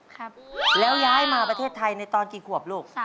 ครับแล้วย้ายมาประเทศไทยในตอนกี่ขวบลูก